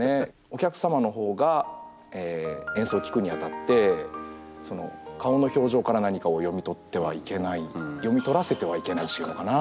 お客様の方が演奏を聴くにあたって顔の表情から何かを読み取ってはいけない読み取らせてはいけないというのかな。